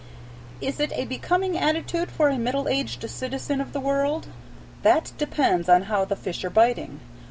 Is it a becoming attitude for a middle aged citizen of the world? That depends upon how the fish are biting.